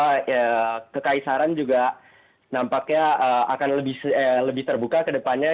saya melihat bahwa kekaisaran juga nampaknya akan lebih terbuka ke depannya